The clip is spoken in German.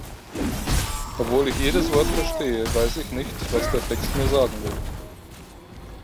Obwohl ich jedes Wort verstehe, weiß ich nicht, was der Text mir sagen will.